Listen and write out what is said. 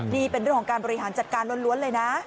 นี่เป็นเรื่องของการบริหารจัดการล้วนเลยนะ